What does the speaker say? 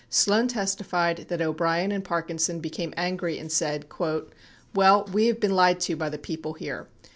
Sloan testified that O'Brien and Parkinson became angry and said, "Well, we have been lied to by the people here.